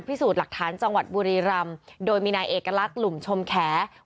พิสูจน์หลักฐานจังหวัดบุรีรำโดยมีนายเอกลักษณ์หลุมชมแข